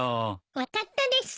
分かったです。